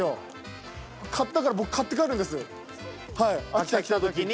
秋田来たときに？